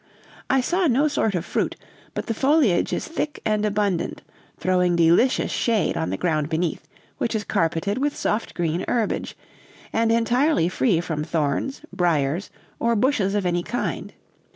I saw no sort of fruit, but the foliage is thick and abundant, throwing delicious shade on the ground beneath, which is carpeted with soft green herbage, and entirely free from thorns, briars, or bushes of any kind.